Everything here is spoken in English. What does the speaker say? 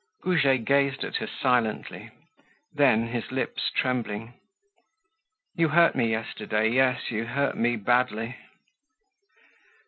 Goujet gazed at her silently. Then, his lips trembling: "You hurt me yesterday, yes, you hurt me badly."